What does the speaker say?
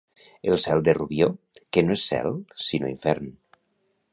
El cel de Rubió, que no és cel sinó infern.